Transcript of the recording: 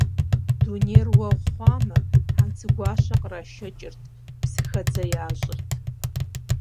Дунейр уэгъу хъуамэ, хьэнцэгуащэ кърашэкӀырт, псыхэдзэ ящӀырт.